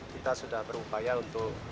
kita sudah berupaya untuk